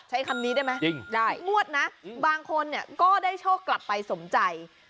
ใช้คำนี้ได้ไหมทุกงวดนะบางคนก็ได้โชคกลับไปสมใจจริง